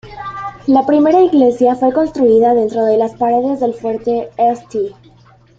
La primera iglesia fue construida dentro de las paredes del fuerte St.